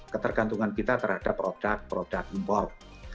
ketergantungan kita terhadap produk produk impor